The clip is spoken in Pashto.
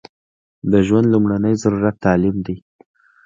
د ژوند لمړنۍ ضرورت تعلیم دی